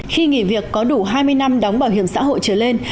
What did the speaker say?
khi nghỉ việc có đủ hai mươi năm đóng bảo hiểm xã hội trở lên